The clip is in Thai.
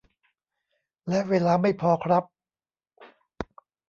และเวลาไม่พอครับ